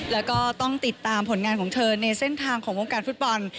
แล้วก็ต้องติดตามผลงานของเธอในเส้นทางของวงการฟุตบอล